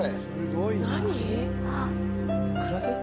クラゲ？